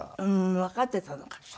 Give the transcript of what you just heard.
わかってたのかしら？